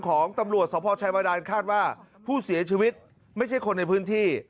ของตำรวจสพชัยบาดานคาดว่าผู้เสียชีวิตไม่ใช่คนในพื้นที่